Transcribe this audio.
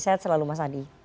sehat selalu mas adi